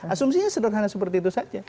asumsinya sederhana seperti itu saja